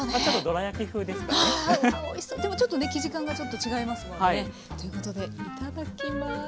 でもちょっとね生地感がちょっと違いますもんね。ということでいただきます。